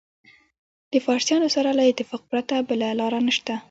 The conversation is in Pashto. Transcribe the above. د فارسیانو سره له اتفاق پرته بله لاره نشته.